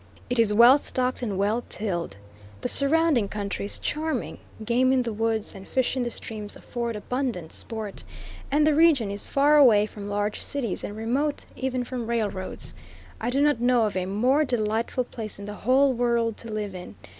It is well stocked and well tilled. The surrounding country is charming game in the woods, and fish in the streams afford abundant sport, and the region is far away from large cities, and remote even from railroads. I do not know of a more delightful place in the whole world to live in.